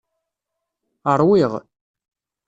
Ṛwiɣ.